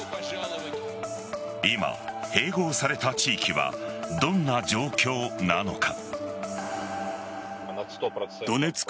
今、併合された地域はどんな状況なのか。